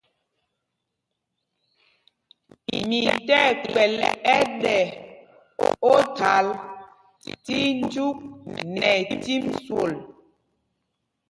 Mǐ tí ɛkpɛ̌l ɛ́ɗɛ óthǎl tí jyuk nɛ cîm swol.